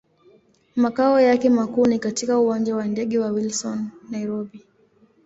Makao yake makuu ni katika Uwanja wa ndege wa Wilson, Nairobi.